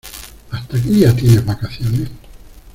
¿Hasta qué día tienes vacaciones?